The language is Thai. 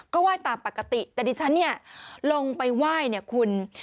ก็ไหว้ตามปกติแต่ดิฉันเนี่ยลงไปไหว้เนี่ยคุณ